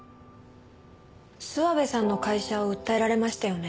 諏訪部さんの会社を訴えられましたよね？